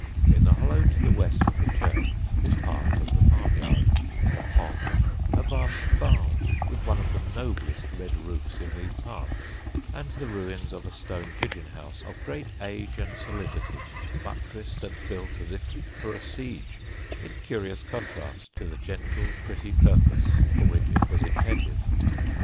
In the hollow to the west of the church is part of the farmyard: a pond, a vast barn with one of the noblest red roofs in these parts, and the ruins of a stone pigeon house of great age and solidity, buttressed and built as if for a siege, in curious contrast to the gentle, pretty purpose for which it was intended.